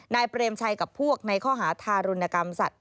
เปรมชัยกับพวกในข้อหาทารุณกรรมสัตว